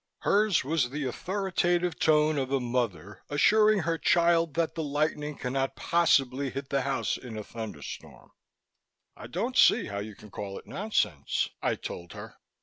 Hers was the authoritative tone of a mother assuring her child that the lightning cannot possibly hit the house in a thunderstorm. "I don't see how you can call it nonsense," I told her.